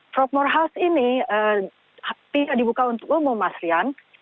frogmore house ini tidak dibuka untuk umum masrian